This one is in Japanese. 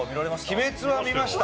伊達：『鬼滅』は見ました。